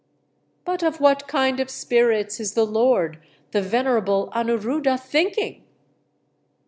"But of what kind of spirits is the Lord, the venerable Anuruddha, thinking?"